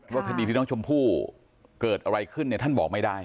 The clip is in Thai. ว่ารสุทธิตที่ท่องชมพู่เกิดอะไรขึ้นเนี่ยท่านบอกไม่ได้